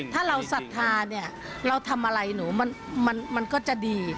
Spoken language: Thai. ถ้าเราศรัทธาเนี่ยเราทำอะไรหนูมันก็จะดี